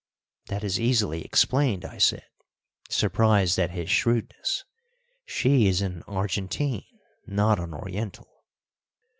"That is easily explained," I said, surprised at his shrewdness, "she is an Argentine, not an Oriental."